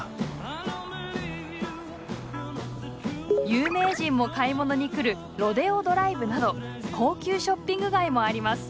有名人も買い物に来るロデオドライブなど高級ショッピング街もあります。